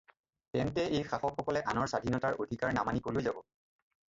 তেন্তে এই শাসকসকলে আনাৰ স্বাধীনতাৰ অধিকাৰ নামানি কলৈ যাব?